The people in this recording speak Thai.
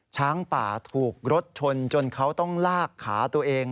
ช้างป่าถูกรถชนจนเขาต้องลากขาตัวเอง